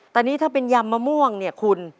แต่นี่ถ้าเป็นยำมะม่วงเนี่ยคุณ